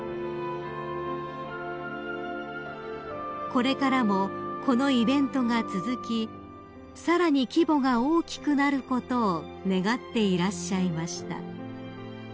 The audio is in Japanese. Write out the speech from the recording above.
［これからもこのイベントが続きさらに規模が大きくなることを願っていらっしゃいました］